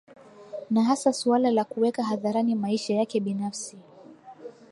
Na hasa suala la kuweka hadharani maisha yake binafsi